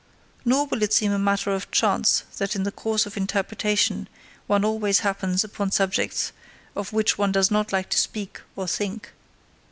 Nor will it seem a matter of chance that in the course of interpretation one always happens upon subjects of which one does not like to speak or think.